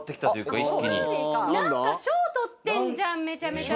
なんか賞、取ってんじゃん、めちゃめちゃ。